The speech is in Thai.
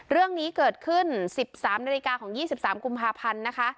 เรื่องนี้เกิดขึ้นสิบสามนาฬิกาของยี่สิบสามกุมภาพันธุ์นะคะ